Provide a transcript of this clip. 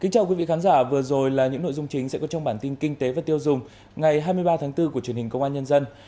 chào mừng quý vị đến với bản tin kinh tế và tiêu dùng ngày hai mươi ba tháng bốn của truyền hình công an nhân dân